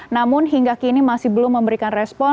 namun hingga kini masih belum memberikan respon